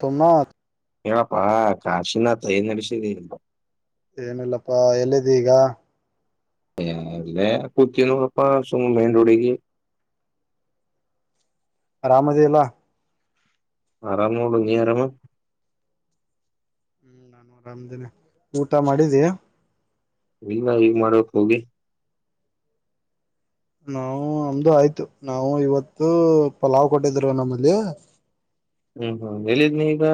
ತುಮ್ಮ ಹೇಳಪ್ಪಾ ಕಾಶಿನಾಥ ಏನ್ ನಡೆಸಿದ ಏನಿಲ್ಲಪ್ಪಾ ಎಲ್ಲಿದ್ದಿ ಈಗ ಎ ಎಲ್ಲ ಕುತನೂ ಅಪ್ಪ ಸು ಮೈನ್ ರೋಡಿಗೆ [inaudible] ಆರಾಮ್ ಇದಿಯಲ್ಲ ಆರಾಮು ನೋಡು ನೀ ಆರಾಮಾ ನಾನು ಅರಾಮಿದ್ದೀನೆ ಊಟ ಮಾಡಿದ್ಯಾ ಇಲ್ಲ ಈಗ ಮಾಡಬೇಕು ಹೋಗಿ ನಾವು ಅಮುದು ಆಯ್ತು ನಾವು ಇವತ್ತು ಪಲಾವ್ ಕೊಟ್ಟಿದ್ರು ನಮ್ಮಲ್ಲಿ ನೀವು ಎಲ್ಲಿದ್ದೀಯಾ ಈಗ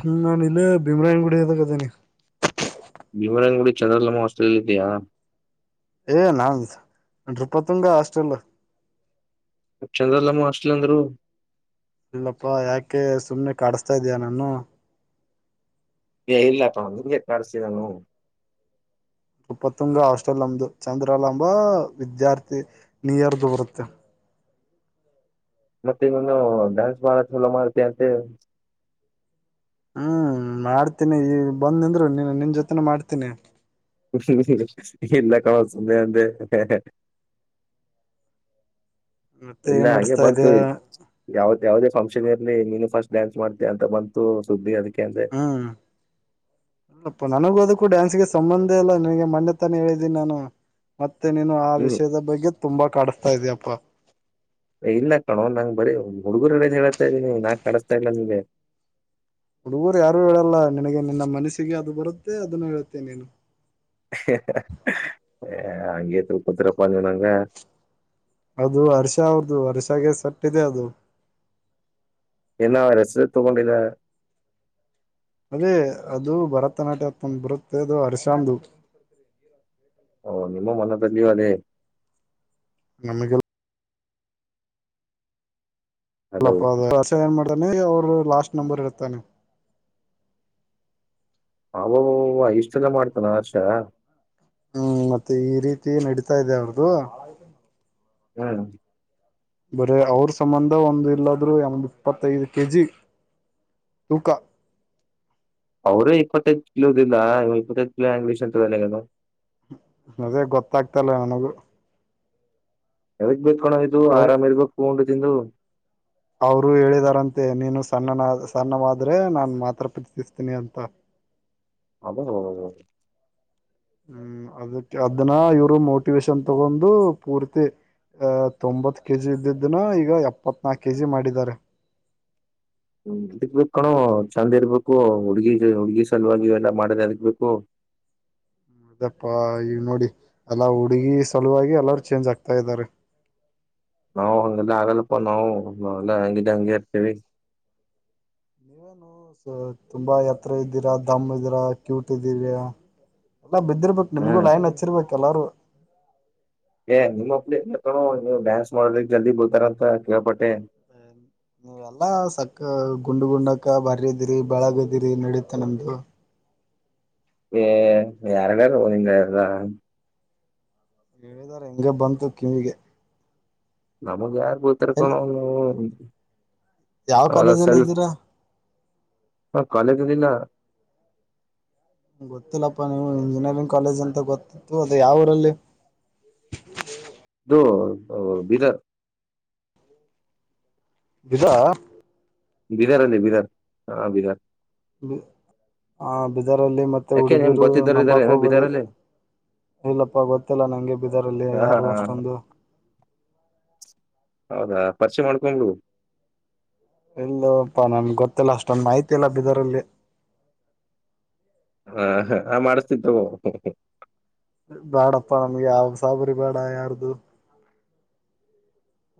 ಹ್ಮ್ ನಾನು ಇಲ್ಲ ಭೀಮ್ರಾಯನ್ ಗುಡಿಯಾಗ ಇದೀನಿ ಭೀಮರಂಗುಡಿ ಚಂದ್ರಲಮ್ಮ ಹಾಸ್ಟೆಲಲ್ ಇದೆಯಾ ಏ ನಾನ್ಸರುಪತ್ತುುಂಗ ಹಸ್ಟ್ರಲ್ಲ ಚಂದ್ರಲಮ್ಮ ಅಷ್ಟಲ್ ಅಂದ್ರು ಇಲ್ಲಪ್ಪಾ ಯಾಕೆ ಸುಮ್ನೆ ಕಡಸ್ತಾ ಇದಯ ನನ್ನು ಏ ಇಲ್ಲಪ್ಪ ನಿಂಗ್ಯಾಕೆ ಕಾಡಸ್ಲಿ ನಾನು ಉಪ್ಪತ್ತುಂಗ ಹಾಸ್ಟೆಲ್ ನಮ್ದು ಚಂದ್ರಲಾಮ್ಮ ವಿದ್ಯಾರ್ಥಿ ನಿಯರ್ದು ಬರುತ್ತೆ ಮತ್ತೆ ನೀನು ಡ್ಯಾನ್ಸ್ ಮಾಡಕ್ಕೆ ಚಾಲೂ ಮಾಡ್ತೀಯಂತೆ ಹ್ಮ್ ಮಾಡ್ತೀನಿ ಬನ್ಯಾಅಂದ್ರೆ ನೀ ನೀನ್ ಜೊತೆನೂ ಮಾಡ್ತೀನಿ ಹುಂ ಹುಂ ಇಲ್ಲ ಕಣೋ ಸುಮ್ನೆ ಅಂದೆ ಹೆ ಹೇ ಮತ್ತೆ ಇಲ್ಲ ಏನ್ ಹಗೆ ನಡಸ್ತಾ ಬಂತು ಇದೆಯ ಚ್ ಯಾವುದ ಯಾವದೇ ಫಂಕ್ಷನ್ ಚ್ ಅದಿರ್ಲಿ ನೀನು ಫಸ್ಟ್ ಡ್ಯಾನ್ಸ್ ಮಾಡ್ತಾಯಾ ಅಂತ ಬಂತು ಸುದ್ದಿ ಅದಕ ಹ್ಮ್ ಅಪ್ಪ ನನಗೂ ಅದಕ್ಕೂ ಡ್ಯಾನ್ಸ್ಗೆ ಸಂಬಂಧ ಅಲ್ಲ ನಿನಗೆ ಮೊೆ ತಾನ ಹೇಳಿದ್ದೀನಿ ನಾನು ಮತ್ತೆ ನೀನು ಆ ಹ್ಮ್ ವಿಷಯದ ಬಗ್ಗೆ ತುಂಬಾ ತಪ್ ಕಡಸ್ತಾ ಇದ್ಯಯಾಪ್ಪ ಏ, ಇಲ್ಲ ಕಣೋ ನಂಗ್ ಬರೀ ಹುಡುಗರ ಹೇಳ್ತಾ ಇದೀನಿ ನಾ ಕಾಣಿಸ್ತಾ ಇಲ್ಲ ನಿಂಗೆ ಹುಡುಗರು ಯಾರು ಹೇಳಲ್ಲ ನಿನಗೆ ನಿನ್ನ ಮನಸ್ಸಿಗೆ ಅದು ಬರುತ್ತೆ ಅದನ್ನು ಹೇಳ್ತಿ ನೀನು ಹಂಗೆ ತಿಳ್ಕೊತಿರಪ್ಪ ನಿನಗೆ [unintelligible] ಅದು ಹರ್ಷ ಅವ್ರದು ವರ್ಷಾಗೆ ಸಟ್ಟಿದೆ ಅದು ಇಲ್ಲ ಅವರ ಹೆಸರು ತಗೊಂಡಿಲ್ಲ ಅದೇ ಅದು ಭರತನಾಟ್ಯತ್ಂದ ಬರುತ್ತೆ ಅದು ಹರ್ಷಾಂದುು ಓ ನಿಮ್ಮ ಮನದಲ್ಲಿ ಅದೇ ನಮಗೆ ಹಲೋ ಇಲ್ಲಪ್ಪ ವೇಸಾಯ ಮಾಡನೆ ಅವರು ಲಾಸ್ಟ್ ನಂಬರ್ ಹೇಳ್ತಾನೆ ಅವವ್ವ ಇಷ್ಟೆಲ್ಲ ಮಾಡ್ತಾನೆ ಆಶಾ ಹುಂ ಮತ್ತೆ ಈ ರೀತಿ ನಡಿತಾ ಇದೆ ಅವ್ರ್ದು ನಾನು ಬರೇ ಅವ್ರ ಸಂಬಂಧ ಒಂದು ಇಲ್ಲ ಅಂದ್ರು ಏ ಮ್ ಇಪ್ಪತ್ತೈದು ಕೆಜಿ ತೂಕ [unintelligible] ಅದೇ ಗೊತ್ತಾಗ್ತಲ್ಲ ನನಗೂ ಎದಕ್ಕೆ ಬೈತಾಳೋ ಇದು ಅವ್ರ ಆರಾಮ್ ಇರ್ಬೇಕು ಉಂಡು ತಿಂದು ಅವರು ಹೇಳಿದಾರಂತೆ ನೀನು ಸಣ್ಣನ ಸಣ್ಣವಾದ್ರೆ ನಾನ್ ಮಾತ್ರ ಪ್ರೀತ್ರಿತಿಸ್ತೀನಿ ಅಂತ ಅವನು ಅವನೌನುನು ಹ್ಮ್ ಅದಕ್ಕೆ ಅದನ್ನ ಇವರು ಮೋಟಿವೇಶನ್ ತೊಗೊಂದು ಪೂರ್ತಿ ಅಹ ತೊಂಬತ್ ಕೆ ಜಿ ಇದ್ದಿದ್ದನ ಈಗ ಎಪ್ಪತ್ನಾಾಕು ಕೆ ಜಿ ಮಾಡಿದ್ದಾರೆ [inaudible] ಅದಕ್ಬೇಕ ಕಣೋ ಚಂದ ಇರ್ಬೇಕು ಹುಡ್ಗಿ ಹುಡ್ಗಿ ಸಲುವಾಗಿ ಇವೆಲ್ಲಾ ಮಾಡದ್ ಎದಕ್ಕೆ ಬೇಕು [inaudible] ಯದಪ್ಪಾ ಈವ ನೋಡಿ ಎಲ್ಲಾ ಹುಡುಗಿ ಸಲುವಾಗಿ ಎಲ್ಲಾರೂ ಚೇಂಜ್ ಆಗ್ತಾ ಇದ್ದಾರೆ ನಾವು ಹಂಗೆಲ್ಲಾ ಆಗಲ್ಲಪ್ಪ ನಾವು ಹೆಂಗೆ ಇದ್ಯೋ ಅಂಗೆ ಇರ್ತೀನಿ ಒ ಸೊ ತುಂಬಾ ಎತ್ರ ಇದ್ದೀರಾ ದಮ್ ಇದ್ದೀರಾ ಕ್ಯೂಟ್ ಇದೀರ್ಯ ಏನೋ ಬಿದ್ದಿರ್ಬೇಕಕ್ ನಿಮ್ಗೂ ಹ್ಮ್ ಲೈನ್ ಹಚ್ಚಿರ್ಬೇಕಕ್ ಕೆಲೋರು ಏ ನಿಮ್ಮಪ್ತು ನೀ್ ಕಣೋ ಡ್ಯಾನ್ಸ್ ಮಾಡೋಲಿಕ್ ಜಲ್ದಿ ಬೀಳ್ತಾರಂತೆ ಕೇಳ್ಪಟ್ಟೆ ನೀವೆಲ್ಲ ಸಕ್ಕ ಗುಂಡ್ ಗುಂಡಕ್ಕ ಬಾರಿಯ ದಿರಿ ಬೆಳಗ್ದಿರಿ ನಡೀತ್ತೆ ನಮ್ದು ಏ ಯಾರ್ಡಾರು ಹ ನಿಂಗ ಎಲ್ಲ ಹೇಳಿದಾರ ಹೆಂಗ ಬಂತು ಕಿವಿಗೆ ನಮ್ಗೆ ಯಾರು ಗೂತರಕಣ ಎಲ್ಲಿ ಯಾವ ಕಾಲೇಜಲ್ಲಿ ಇದ್ದೀರಾ ಹಾ ಕಾಲೇಜಿ ಇಲ್ಲ ಗೊತ್ತಿಲ್ಲಪ್ಪಾ ನೀವು ಇಂಜಿನಿಯರಿಂಗ್ ಕಾಲೇಜ್ ಅಂತ ಗೊತ್ತಿತ್ತು ಅದ ಯಾವ ಊರಲ್ಲಿ ಇದು ಬೀದರ್ ಇದ. ಬಿದರ್ ಅಲ್ಲಿ ಬಿದರ್ ಹಾ ಬಿದಾರ್. ಹಾ ಬೀದರ್ ಅಲ್ಲಿ ಮತ್ತೆ ಯಾಕೆ ನಿಮ್ ಹುಡುಗಿರು ಗೊತ್ತಿದ್ದಾರ ಇದಾರೆ ನಂಬಾಕ ಏನೋ ಹೋಗಬ್ಯಾಡಿ. ಬೀದರಲ್ಲಿ ಇಲ್ಲಪ್ಪಾ ಗೊತ್ತಿಲ್ಲ ನಂಗೆ ಬಿದರಲ್ಲಿ ಹಾ ಹಾ ಯಾರು ಹಾ. ಅಷ್ಟೊಂದು. ಹೌದಾ ಪರಿಚಯ ಮಾಡ್ಕೊಂಡು ಬಿಡು. ಇಲ್ಲಪ್ಪಾ ನಮಗ ಗೊತ್ತಿಲ್ಲ ಅಷ್ಟೊಂದು ಮಾಹಿತಿ ಇಲ್ಲ ಬೀದರ್ ಅಲ್ಲಿ. ಹಾ ಹ ಹ ನಾ ಮಾಡಿಸತಿನಿ ತೊಗೊ. ಬ್ಯಾಡಪ್ಪಾ ನಮ್ಗೆ ಯಾವ ಉಸಾಬರಿ ಬೇಡ ಯಾರ್ದು.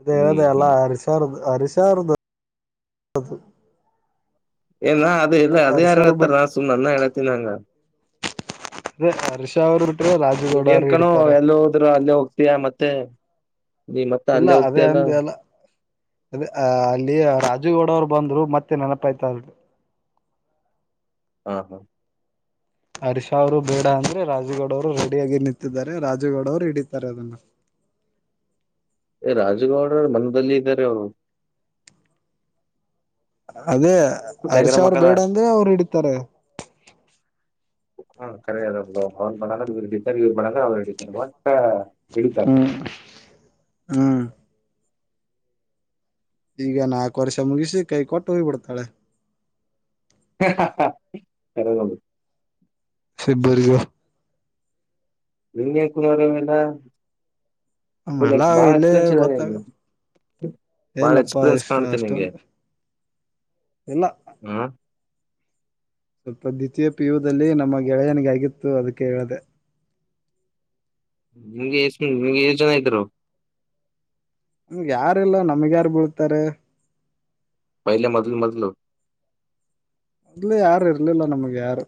ಕೇಳದೆ ಹ್ಮ್ ಎಲ್ಲಾ ಹ್ಮ್ ಹರಿ ಸರ್ ದು ಅರಿಶರ್ ದು. [unintelligible] ಏ ನ ಅದು ಇಲ್ಲ ಅದು ಯಾರು ಹಳ್ತಾರ ನಾ ಬಿಟ್ರೆ ಸುಮ್ಮ ಅದನ್ನ ಹೇಳತೀನಿ ಹಂಗ. ಹರ್ಷ ಅವ್ರು ಬಿಟ್ರೆ ನೀವ ರಾಜುಗೌಡ ಏನ ಅವರು ಕಣೋ ಹಿಡಿತಾರೆ ಎಲ್ಲ ಹೋದ್ರ ಅಲ್ಲೇ ಹೋಗ್. ತಿಯ ಮತ್ತೆ ನೀ ಮತ್ತೆ ಇಲ್ಲ ಅಲ್ಲೇ ಹೋಗ್ತಿ ಅಲ್ಲ. ಅದೇ ಅ ಅಲ್ಲಿ ರಾಜುಗೌಡ ಅವ್ರು ಬಂದ್ರು ಮತ್ತೆ ನೆನಪ ಆಯ್ತ ಅ. ಹಾ ಹಾ. ಹರೀಶಾ ಅವರು ಬೇಡ ಅಂದ್ರೆ ರಾಜುಗೌಡ ಅವರು ರೆಡಿಯಾಗಿ ನಿಂತಿದ್ದಾರೆ ರಾಜುಗೌಡ ಅವ್ರು ಹಿಡಿತಾರೆ ಅದನ್ನ. [inaudible] ಎ ರಾಜಗೌಡ ಮನದಲ್ಲಿ ಇದಾರೆ ಅವರು. ಅದೇ ಹರ್ಷ ಅವ್ರ ಬೇಡ ಅಂದ್ರೆ ಅವ್ರು ಹಿಡಿತಾರೆ. ಹ್ಮ ಕರೆ ಅದ ಬಿಡೋ ಅವನ [unintelligible] ಅವರ [unintelligible] [unintelligible] ಅವರ ಹಿಡೀತಾರ ವಟ್ಟ ಹಿಡಿತಾರ. ಹ್ಮ್ ಹ್ಮ್ ಈಗ ನಾಲ್ಕು ವರ್ಷ ಮುಗಿಸಿ ಕೈ ಕೊಟ್ಟು ಹೋಗ್ಬಿಡ್ತಾಳೆ. [unintelligible] ಕರೆಗು [unintelligible] ಸಿ ಬರಿಗೂ. ನಿಂಗ ಹೆಂಗ ಕುನಾ ಅದಾವ್ ಇವ ಎಲ್ಲಾ ಎಲ್ಲಾ [unintelligible] ಬಾಳ ಇಲ್ಲೇ ಎಕ್ಸ್ಪೀರಿಯೆನ್ಸ್ ಅದಾವ ನಿಂಗ. ಗೊತ್ತಾಗತ್ತೆ ಬಾಳ ಇಲ್ಲಪ್ಪಾ ಎಕ್ಸ್ಪೀರಿಯನ್ಸ್ ಇಷ್ಟ ಕಾಣ್ತೀ ನಿಂಗೆ ಅಷ್ಟೊಂದು ಇಲ್ಲ ಹ್ಮ. ಸ್ವಲ್ಪ ದ್ವಿತೀಯ ಪಿಯುದಲ್ಲಿ ನಮ್ಮ ಗೆಳೆಯನಗ ಆಗಿತ್ತು ಅದಕ್ಕೆ ಹೇಳದೆ. ನಿಮಗೆ ಎಷ್ಟ ನಿಮ್ಗೆ ಎಷ್ಟ ಜನ ಇದ್ದರು. ಹ್ ಯಾರಲ್ಲ ನಮ್ಗ ಯಾರ್ ಬಿೀಳ್ತಾರೆ. ಪಹಿಲ್ಯ ಮದಲ ಮದಲು. ಮೊದ್ಲ ಯಾರು ಇರ್ಲಿಲ್ಲ ನಮ್ಗೆ ಯಾರು.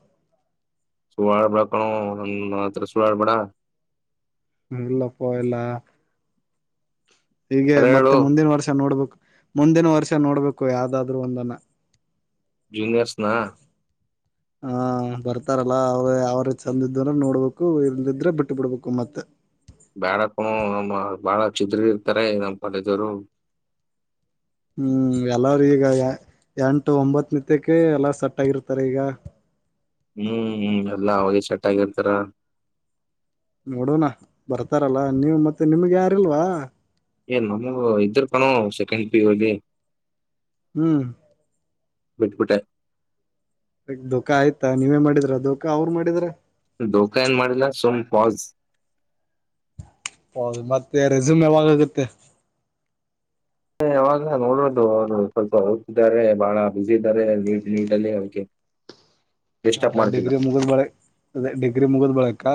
ಸುಳ್ಳ ಹೇಳ್ ಬೇಡಾ ಕಣೋ ನಾನ್ ಹತ್ರ ಸುಳ್ಳ ಹೇಳ್ ಬೇಡಾ. ಇಲ್ಲ್ ಅಪ್ಪು ಇಲ್ಲ ಹೀಗೆ ಕರೆ ಮತ್ತೆ ಹೇಳು ಮುಂದಿನ ವರ್ಷ ನೋಡ್ಬೇಕ. ಮುಂದಿನ ವರ್ಷ ನೋಡ್ಬೇಕು ಯಾವ್ದಾದ್ರು ಒಂದನ್ನ. ಜೂನಿಯರ್ಸ್ ನಾ. ಹ ಬರ್ತಾರಲ್ಲ ಅವ ಯಾವ್ರ ಚೆಂದ ಇದಿದ್ರ ನೋಡ್ಬೇಕು ಇಲ್ದಿದ್ರೆ ಬಿಟ್ಟು ಬಿಡ್ಬೇಕು ಮತ್ತ. ಬ್ಯಾಡಾ ಕಣೋ ನಮ್ಮ ಬಾಳ ಚಿತ್ರಿ ಇರ್ತಾರೆ ನಮ್ಮಕಡೆ ದವರು.. ಹ್ಮ್ ಎಲ್ಲಾರ ಈಗ ಎಂಟು ಒಂಬತ್ತ ನಿತ್ಯಕ್ಕೆ ಎಲ್ಲ ಸೆಟ್ ಆಗಿರ್ತಾರೆ ಈಗ. ಹ್ಮ್ ಹ್ಮ್ ಎಲ್ಲಾ ಅವಗ ಸೆಟ್ ಆಗರ್ತಾರ. ನೋಡೋಣ ಬರ್ತಾರಲ್ಲ ನೀವು ಮತ್ತೆ ನಿಮ್ಗೆ ಯಾರಲ್ವಾ. ಏ ನಮಗ ಇದ್ರ ಕಣೋ ಸೆಕೆಂಡ್ ಪೀ ಯು ಅಲ್ಲಿ. ಹ್ಮ್. ಬಿಟ್ಟ ಬಿಟ್ಟೆ. ಬಿಟ್ಟ ಧೋಕಾ ಆಯ್ತಾ ನೀವೇ ಮಾಡಿದ್ರ ಧೋಕಾ ಅವ್ರು ಮಾಡಿದ್ರ. ಧೋಕಾ ಏನ್ ಮಾಡಿಲ್ಲ ಸುಮ್ ಪೋಸ್. ಹೌದು ಮತ್ತೆ ರೆಸುಮ ಯಾವಾಗ್ ಆಗುತ್ತೆ. ಯವಾಗ ನೋಡೋದು ಅವ್ರು ಸ್ವಲ್ಪ ಓದುತ್ತಿದ್ದಾರೆ ಬಹಳ ಬ್ಯುಸಿ ಇದ್ದಾರೆ ನೀಟ್ ನೀಟ್ ಅಲ್ಲಿ ಅವೆಕೆ. [inaudible] ಹ ಡಿಗ್ರಿ ಮುಗದ್ ಬಳಕ ಅದೇ ಡಿಗ್ರಿ ಮುಗುದ್ ಬಳಕ್ಕ.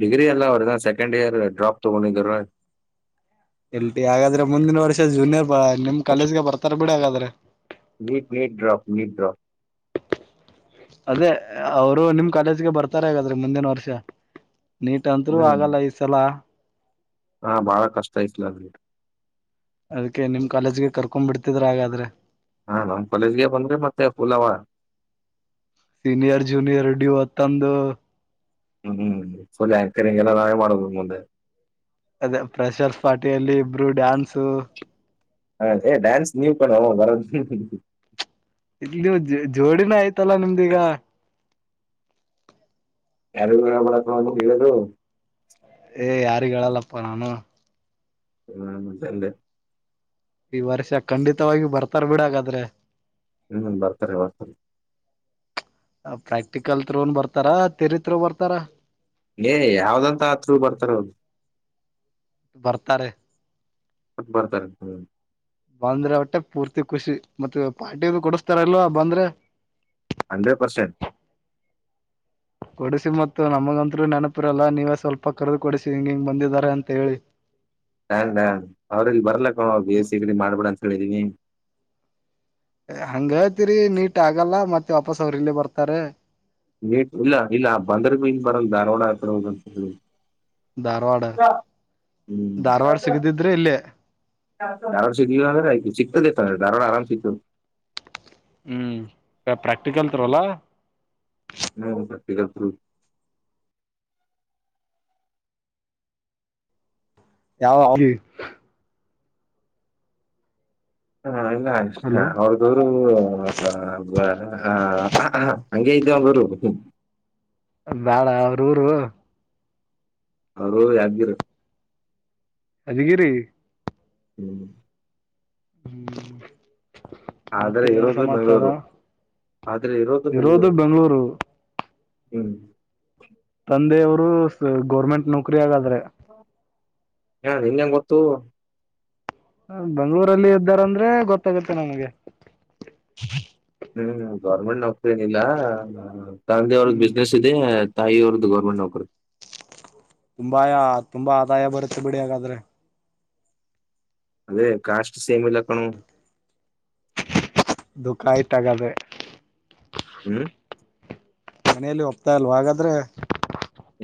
ಡಗ್ರಿ ಅಲ್ಲ ಅವರ ಇನ್ನ ಸೆಕೆಂಡ್ ಇಯರ್ ಡ್ರಾಪ್ ತಗೊಂಡಿದ್ದಾರೆ. [unintelligible] ಹಾಗಾದ್ರೆ ಮುಂದಿನ ವರ್ಷ ಜೂನಿಯರ್. ಬಾ ನಿಮ್ ಕಾಲೇಜ್ಗೆ ಬರ್ತಾರ ಬಿಡ ಹಾಗಾದ್ರ. ನಿ ಬ್ರೋ. ಅದೇ ಅವ್ರು ನಿಮ್ ಕಾಲೇಜ್ಗೆ ಬರ್ತಾರ ಹಾಗಾದ್ರೆ ಮುಂದಿನ ವರ್ಷ. ನೀಟ್ ಅಂತ್ರು ಹ್ಮ್ ಆಗಲ್ಲ ಈ ಸಲ. ಹಾ ಬಾಳ ಕಷ್ಟ ಐತ್ಲ ಅದಕ್ಕೆ ನಿಮ್ ಕಾಲೇಜ್ಗೆ ಕರ್ಕೊಂಬಿಡ್ತಿದ್ರ ಹಾಗಾದ್ರೆ. ಹಾ ನಮ್ ಕಾಲೇಜ್ಗೆ ಬಂದ್ರೆ ಮತ್ತೆ ಫುಲ್ ಅವ. ಸೀನಿಯರ್ ಜೂನಿಯರ್ ಡಿವತ್ ತಂದು. ಹ್ಮ್ ಹ್ಮ್ ಫುಲ್ ಆಂಕರಿಂಗೆಲ್ಲ ನಾವೇ ಮಾಡದು ಮುಂದ. ಅದೇ ಪ್ರೆಷರ್ ಪಾರ್ಟಿಯಲ್ಲಿ ಇಬ್ರು ಡ್ಯಾನ್ಸು. ಹಾ ಡೇ ಡ್ಯಾನ್ಸ್ ನೀವ್ ಕಣೋ ಬರದ್ ಇಲ್ಲಿಯು ಜೆ ಜೋಡಿನ ಆಯ್ತಲ್ಲ ನಿಮ್ದಿಗ. ಯಾರಿಗೂ ಹೇಳ್ಬೇಡ ಅದು ಇರದು. ಏ ಯಾರಿಗ ಹೇಳಲ್ಲಪ್ಪ ನಾನು. ಹ್ಮ ನಾನು ಅದೆಂದೆ. ಈ ವರ್ಷ ಖಂಡಿತವಾಗಿವು ಬರ್ತಾರ ಬಿಡಗಾದ್ರೆ. ಹ್ಮ್ ಬರ್ತಾರೆ ಈ ವರ್ಷ ಪ್ರಾಕ್ಟಿಕಲ ತ್ರೂನ್ ಬರ್ತಾರಾ ಥೇರಿ ತ್ರೂ ಬರ್ತಾರ. ಏ ಯಾವ್ದಂತ ಆ ತ್ರೂ ಬರ್ತಾರ ಅವ್ರು. ಬರ್ತಾರೆ. ಮತ್ ಬರ್ತಾರೆ ಹ್ಮ್. ಬಂದ್ರೆ ಒಟ್ಟೆ ಪೂರ್ತಿ ಖುಷಿ ಮತ್ತ ಪಾರ್ಟಿ ಅದು ಕೊಡಸ್ತರಲ್ವಾ ಬಂದ್ರೆ. Hundred percent. ಕೊಡಿಸಿ ಮತ್ತ್ ನಮಗಂತ್ರು ನೆನಪಿರಲ್ಲ ನೀವೇ ಸ್ವಲ್ಪ ಕರ್ದು ಕೊಡಿಸಿ ಹಿಂಗ ಹಿಂಗ್ ಬಂದಿದಾರ ಅಂತ ಹೇಳಿ. ಹ ನಾ ಅವರಿಲ್ಲಿ ಬರ್ಲಕ್ಕೊ ಬಿಸಿಗಿಡಿ ಮಾಡ್ಬೇಡ ಅಂತ ಹೇಳಿದೀನಿ. ಹ ಹಂಗೆಳತಿರಿ ನೀಟ್ ಆಗಲ್ಲ ಮತ್ತೆ ವಾಪಸ್ ಅವ್ರ ಇಲ್ಲೆ ಬರ್ತಾರ. ನೀಟ್ ಇಲ್ಲ ಇಲ್ಲ ಬಂದರ್ಬಿ ಇಲ್ ಬರಲ್ಲ ಧಾರವಾಡ ಹತ್ರ ಹೋಗದ ಹ್ಮ್. ಧಾರವಾಡ ಧಾರವಾಡ ಸಿಗದಿದ್ರೆ ಇಲ್ಲೇ. ದಾರವಾಡ ಸಿಗಲಿಲ್ಲ ಅಂದ್ರ ಇಲ್ಲಿ ಚಿಕ್ಕದ ಇತ್ತಲ್ ದಾರವಾಡ ಆರಾಮ್ ಸಿಗತದ. ಹ್ಮ್ ಯಾ ಪ್ರಾಕ್ಟಿಕಲ್ ತ್ರೋಲಾ. ಇದ ತ್ರೋ. ಯಾವ ಹಾಬಿ. ಹಾ ಇಲ್ಲ ಇಷ್ಟ ಹಲೋ ಅವ್ರದು ಆ ಬಾ ಆ ಆ ಹಂಗೆ ಇದ್ದ ಗುರು. ಬಾಳ ಅವ್ರ ಊರು. ಅವರ್ ಊರು ಯಾದಗಿರ. ಯಾದಗಿರಿ. ಹ್ಮ್ ಹ್ಮ್ ಆದ್ರೆ ಮತ್ತೆ ಏನ್ ಇರೋದು ಸಮಾಚಾರ. ಬೆಂಗಳೂರು ಇರೋದು ಬೆಂಗಳೂರು. ಹ್ಮ್ ಒಂದೆ ಊರು ಸ ಗೌರ್ಮೆಂಟ್ ನೌಕರಿ ಆಗ ಹ ನಿಂಗ್ ಹೆಂಗ್ ಗೊತ್ತು. ಅ ಬೆಂಗಳೂರಲ್ಲಿ ಇದ್ದಾರ ಅಂದ್ರೆ ಗೊತ್ತಾಗುತ್ತೆ ನಮಗೆ. ಹ್ಮ್ ಗೌರ್ಮೆಂಟ್ ನೌಕರಿ ಏನಿಲ್ಲ ಅ ತಂದೆ ಅವ್ರದ ಹ್ಮ್ ಬಿಸ್ನೆಸ್ ಇದೆ ತಾಯಿ ಅವ್ರದು ಗೌರ್ಮೆಂಟ್ ನೌಕ್ರಿ. ತುಂಬಾಯ ತುಂಬಾ ಆದಾಯ ಬರುತ್ತೆ ಬಿಡಿ ಹಾಗಾದ್ರೆ. ಅದೇ ಕಾಸ್ಟ್ ಸೇಮ್ ಇಲ್ಲ ಕಣೋ. ದುಕ್ಕಾ ಹಾಗಾದ್ರೆ. ಹ್ಮ್ ಮನೆಯಲ್ಲ ಒಪ್ಪತ ಇಲ್ವಾ ಹಾಗಾದ್ರೆ?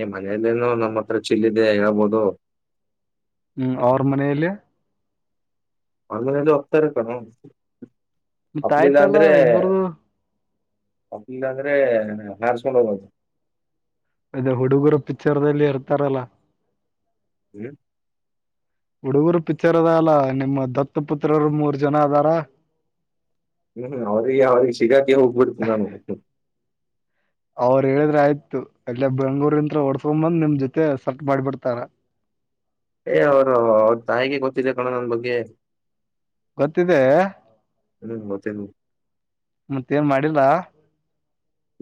ಏ ಮನಲ್ಲೇನು ನಮ್ಮ ಹತ್ರ ಚಿಲ್ಲ್ ಇದೆ ಹೇಳ್ಬೋದು. ಹ್ಮ್ ಅವ್ರ ಮನೆಯಲ್ಲಿ? ಅವರ್ ಮನೆಲ್ಲಿ ಒಪ್ಪತ್ತಾರೆ ತಗೋ ಮತ್ತ ಒಪ್ಲಿಲ್ಲ ಆಯ್ತಲ್ಲ ಅಂದ್ರೆ? ಇಬ್ಬರದು ಒಪ್ಪಲಿಲ್ಲ ಅಂದ್ರೆ ಹಾರಸಕೊಂಡು ಹೋಗೋದು. ಅದೇ ಹುಡುಗರು ಪಿಕ್ಚರ್ದಲ್ಲಿ ಇರ್ತಾರಲ್ಲ. ಹ್ಮ್ ಹುಡುಗರು ಪಿಚ್ಚರ್ ಅಲ್ಲಾ ನಿಮ್ಮ ದತ್ತು ಪುತ್ರರು ಮೂರ್ ಜನ ಇದಾರ. ಹ್ಮ್ ಅವರ್ ಅವರಿಗೆ ಶಿಗತ್ತಿ ಹೋಗಬಿಡ್ತೀನಿ ನಾನು ಅವ್ರ ಹೇಳಿದ್ರೆ ಆಯ್ತು ಅಲ್ಲೆ ಬೆಂಗಳೂರ್ ಇಂದ ಓಡ್ಸ್ಕೊಂಡ್ ಬಂದ್ ನಿಮ್ ಜೊತೆ ಸೆಟ್ ಮಾಡ್ಬಿಡ್ತಾರ. ಏ ಅವರು ಅವ್ರ ತಾಯಿಗೆ ಗೊತ್ತಿದೆ ಕಣೋ ನನ್ ಬಗ್ಗೆ. ಗೊತ್ತಿದೇ ಹ್ಮ್ ಗೊತ್ತಿಲ್ಲ ಮತ್ತೇ ಏನ್ ಮಾಡಿಲ್ವ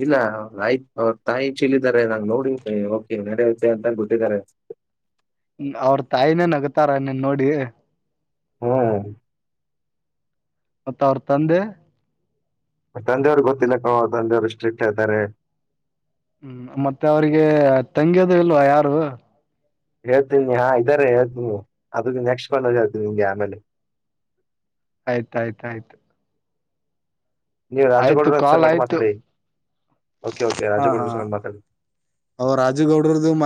ಇಲ್ಲ ಆಯ್ತ ಅವ್ರ ತಾಯಿ ಚೀಲ್ ಇದ್ದಾರೆ ನಾ ನೋಡಿ ಓಕೆ ರೆಡಿಯೈತೆ ಅಂತ ಬಿಟ್ಟಿದ್ದಾರೆ. ಅವ್ರ ತಾಯಿನೇ ನಗತಾರ ನೀನ್ ನೋಡಿ? ಹ್ಮ್ ಮತ್ತ್ ಅವ್ರ ತಂದೆ ಅವರ್ ತಂದೆವರಿಗೆ ಗೊತ್ತಿಲ್ಲ ಕಣೋ ಅವರ್ ತಂದೆವರು ಸ್ಟ್ರಿಟ್ ಆದಾರೆ ಹ್ಮ್ ಮತ್ತೆ ಅವ್ರಗೆ ತಂಗಿಯದು ಇಲ್ವಾ ಯಾರು? ಹೇಳ್ತೀನಿ ಹಾ ಇದ್ದಾರೆ ಹೇಳ್ತೀನಿ ಅದು ನೆಕ್ಸ್ಟ್ ಬಂದಾಗ ಹೇಳ್ತೀನಿ ನಿನಗೆ ಆಮೇಲೆ. [unintelligible] ಆಯ್ತಾ ಆಯ್ತ್ ಆಯ್ತು ನೀವು ಆಯ್ತು ರಾಜಗೌಡರ ಕಾಲ್ ಸಂಘಟ ಆಯ್ತು ಮಾತಾಡಿ. ಓಕೆ ಓಕೆ ಹಾ ಹಾ ರಾಜಗೌಡ ಸಹ ಮಾತಾಡು ಅವ್ರ ರಾಜುಗೌಡ್ರದ್ದು